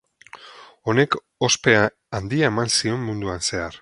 Honek ospea handia eman zion munduan zehar.